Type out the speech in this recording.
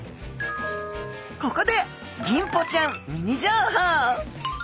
ここでギンポちゃんミニ情報。